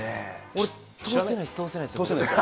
俺、通せないです。